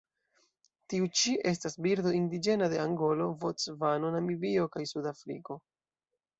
Tiu ĉi estas birdo indiĝena de Angolo, Bocvano, Namibio kaj Sudafriko.